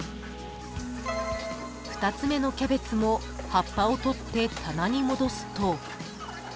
［２つ目のキャベツも葉っぱを取って棚に戻すと］